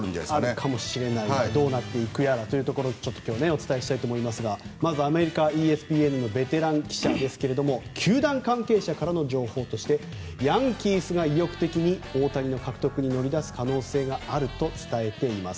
あるかもしれないどうなっていくやらということですがちょっと今日お伝えしたいと思いますがまずアメリカのＥＳＰＮの記者ですが球団関係者からの情報としてヤンキースが意欲的に大谷の獲得に乗り出す可能性があると伝えています。